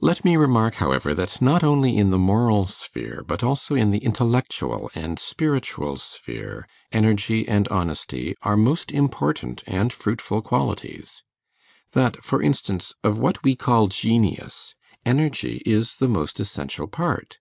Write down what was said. Let me remark, however, that not only in the moral sphere, but also in the intellectual and spiritual sphere, energy and honesty are most important and fruitful qualities; that for instance, of what we call genius, energy is the most essential part.